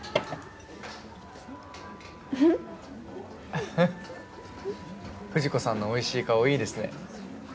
アハっ藤子さんのおいしい顔いいですね。